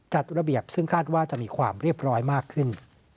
จัดระเบียบซึ่งคาดว่าจะมีความเรียบร้อยมากขึ้น